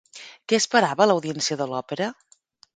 Què esperava l'audiència de l'òpera?